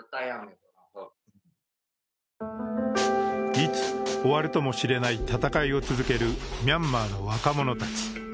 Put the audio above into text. いつ終わるともしれない戦いを続けるミャンマーの若者たち。